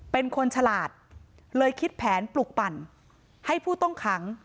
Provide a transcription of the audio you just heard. เป็นคนฉลาดเลยคิดแผนปลุกปั่นให้ผู้ต้องขัง